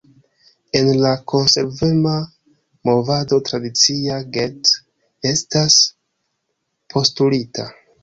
En la Konservema movado tradicia "get" estas postulita.